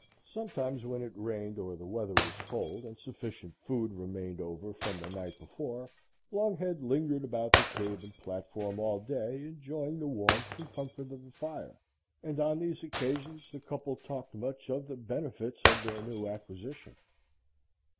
Sometimes when it rained or the weather was cold, and sufficient food remained over from the night before, Longhead lingered about the cave and platform all day, enjoying the warmth and comfort of the fire, and on these occasions the couple talked much of the benefits of their new acquisition.